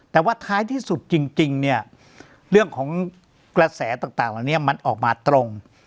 แต่ว่าท้ายที่สุดจริงเรื่องของกระแสต่างมันออกมาตรง